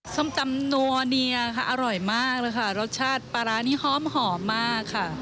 ส้มตำนัวเนียค่ะอร่อยมากเลยค่ะรสชาติปลาร้านี่หอมมากค่ะ